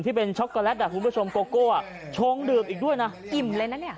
ที่เป็นช็อกโกแลตอ่ะคุณผู้ชมโกโก้อ่ะชงดื่มอีกด้วยนะอิ่มเลยนะเนี่ย